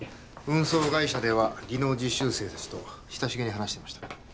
運送会社では技能実習生達と親しげに話してました